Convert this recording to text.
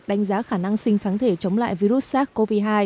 đánh giá khả năng sinh kháng thể chống lại virus sars cov hai